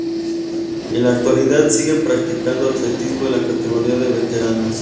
En la actualidad sigue practicando atletismo en la categoría de veteranos.